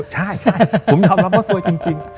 ใช่ผมยอมรับว่าซวยจริง